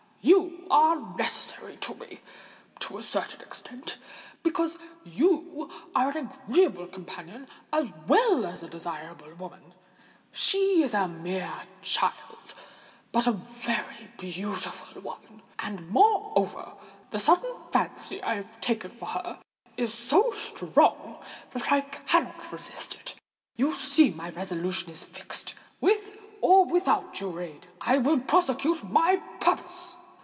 You are necessary to me, to a certain extent—because you are an agreeable companion as well as a desirable woman. She is a mere child—but a very beautiful one; and, moreover, the sudden fancy I have taken for her is so strong that I cannot resist it. You see that my resolution is fixed. With or without your aid, I prosecute my purpose."